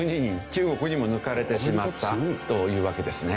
中国にも抜かれてしまったというわけですね。